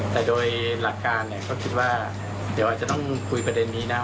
แต่โดยหลักการเนี่ยก็คิดว่าเดี๋ยวอาจจะต้องคุยประเด็นนี้นะ